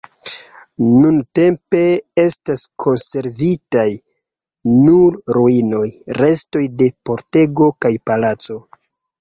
Nuntempe estas konservitaj nur ruinoj, restoj de pordego kaj palaco.